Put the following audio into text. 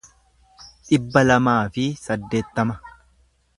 dhibba lamaa fi saddeettama